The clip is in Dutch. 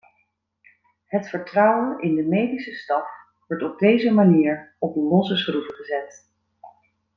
Het vertrouwen in de medische staf wordt op deze manier op losse schroeven gezet.